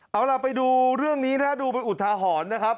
เอาล่ะไปดูเรื่องนี้นะดูเป็นอุทาหรณ์นะครับ